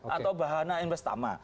atau bahana investama